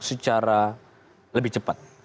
secara lebih cepat